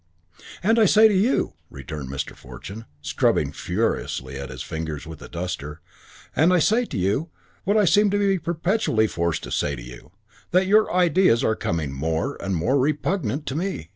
"And I say to you," returned Mr. Fortune, scrubbing furiously at his fingers with a duster, "and I say to you what I seem to be perpetually forced to say to you, that your ideas are becoming more and more repugnant to me.